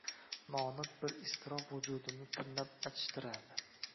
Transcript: Noaniq bir iztirob vujudimni tirnab achishtirardi